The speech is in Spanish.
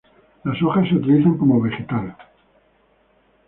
Las hojas se utilizan como vegetal.